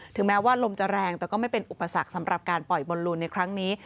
แม้ว่าลมจะแรงแต่ก็ไม่เป็นอุปสรรคสำหรับการปล่อยบอลลูนในครั้งนี้